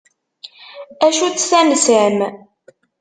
Acu-tt tansa-m?